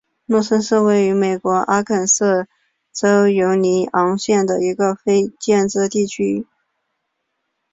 洛森是位于美国阿肯色州犹尼昂县的一个非建制地区。